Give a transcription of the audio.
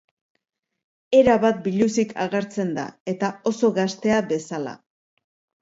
Erabat biluzik agertzen da eta oso gaztea bezala.